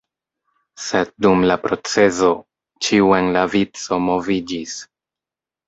Sed dum la procezo, ĉiu en la vico moviĝis.